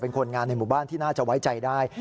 คนงานในหมู่บ้านที่น่าจะไว้ใจได้